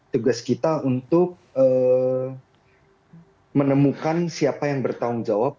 tugas kita untuk menemukan siapa yang bertanggung jawab